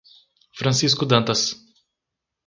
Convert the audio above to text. Francisco Dantas